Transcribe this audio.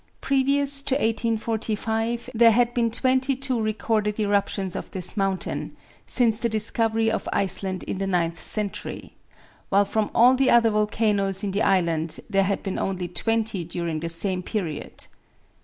Previous to 1845 there had been twenty two recorded eruptions of this mountain, since the discovery of Iceland in the ninth century; while from all the other volcanoes in the island there had been only twenty during the same period.